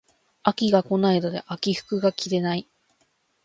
秋が来ないので秋服が着れない